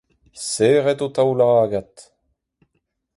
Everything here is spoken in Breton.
Serrit ho taoulagad.